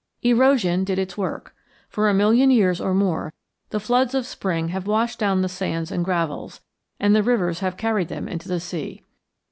Erosion did its work. For a million years or more the floods of spring have washed down the sands and gravels, and the rivers have carried them into the sea.